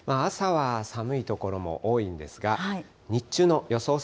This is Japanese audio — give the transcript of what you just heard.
朝は寒い所も多いんですが、日中の予想